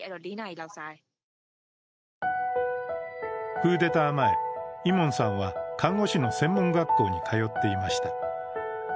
クーデター前、イモンさんは看護師の専門学校に通っていました。